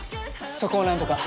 そこをなんとか。